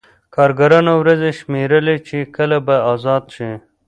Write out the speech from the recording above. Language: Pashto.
کارګرانو ورځې شمېرلې چې کله به ازاد شي